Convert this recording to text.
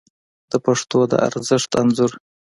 د پښتو د ارزښت انځور